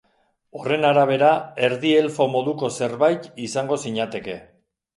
Horren arabera, erdi elfo moduko zerbait izango zinateke.